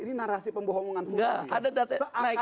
ini narasi pembohongan publik